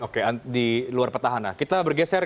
oke di luar petahana kita bergeser